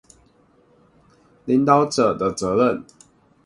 領導者的責任